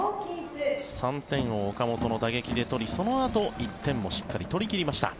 ３点を岡本の打撃で取りそのあと１点もしっかり取り切りました。